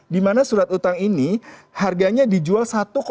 di mana surat utang ini harganya dijual satu